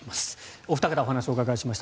お二方にお話をお伺いしました。